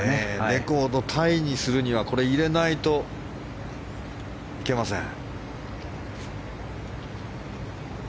レコードタイにするにはこれを入れないといけません。